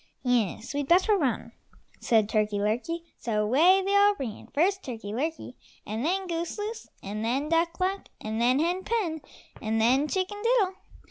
"Yes, we'd better run," said Turkey lurkey, so away they all ran, first Turkey lurkey, and then Goose loose, and then Duck luck, and then Hen pen, and then Chicken diddle.